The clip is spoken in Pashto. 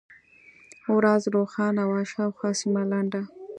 ورځ روښانه وه، شاوخوا سیمه لنده.